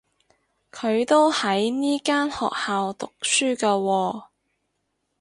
佢都喺呢間學校讀書㗎喎